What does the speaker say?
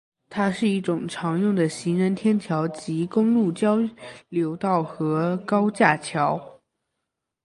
它是一种常用的行人天桥及公路交流道和高架桥。